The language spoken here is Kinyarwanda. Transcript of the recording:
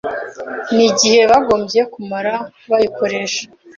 n’igihe bagombye kumara bayikoresha.